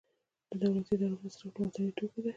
د دولتي ادارو مصرف له وطني توکو دی